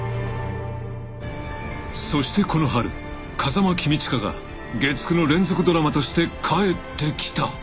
［そしてこの春あの風間公親が月９の連続ドラマとして帰ってきた］